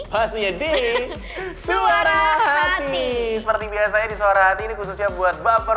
pasti jadi suara hati seperti biasanya disuara hati ini khususnya buat baper